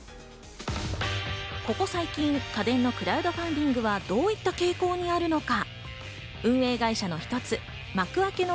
ここ最近、家電のクラウドファンディングはどういった傾向にあるのか？